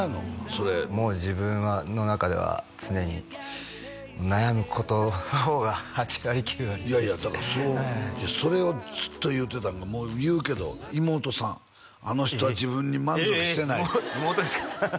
それもう自分の中では常に悩むことの方が８割９割でいやいやだからそれをずっと言うてたんがもう言うけど妹さんあの人は自分に満足してないえ妹ですか？